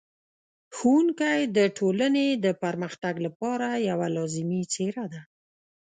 ښوونکی د ټولنې د پرمختګ لپاره یوه لازمي څېره ده.